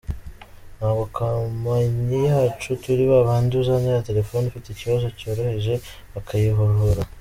Ntabwo kompanyi yacu turi babandi uzanira telefoni ifite ikibazo cyoroheje bakayihuhura.